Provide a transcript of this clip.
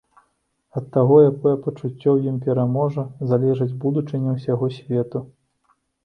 І ад таго, якое пачуццё ў ім пераможа, залежыць будучыня ўсяго свету.